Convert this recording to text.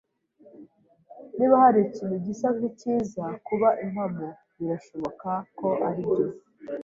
Niba hari ikintu gisa nkicyiza kuba impamo, birashoboka ko aribyo.